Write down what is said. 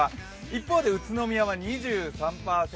一方で宇都宮は２３％。